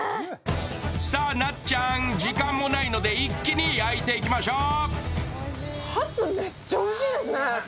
なっちゃん、時間もないので一気に焼いていきましょう。